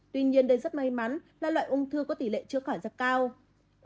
tuy nhiên đây rất may mắn là loại ung thư có tỷ lệ chữa khỏe rất cao